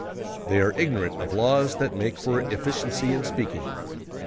They are ignorant of laws that make for efficiency in speaking.